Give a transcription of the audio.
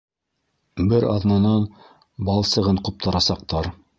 Бер аҙнанан балсығын ҡуптарасаҡтар!